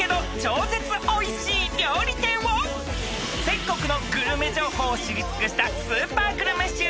［全国のグルメ情報を知り尽くしたスーパーグルメ集団が厳選］